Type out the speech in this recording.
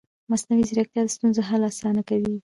مصنوعي ځیرکتیا د ستونزو حل اسانه کوي.